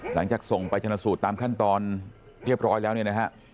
หลังจากส่งไปชนะสูตรตามขั้นตอนเรียบร้อยแล้วเนี่ยนะฮะ